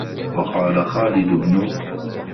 وَقَالَ خَالِدُ بْنُ